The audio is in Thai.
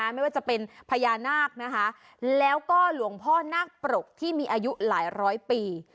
ไม่ว่าจะเป็นพญานาคนะคะแล้วก็หลวงพ่อนาคปรกที่มีอายุหลายร้อยปี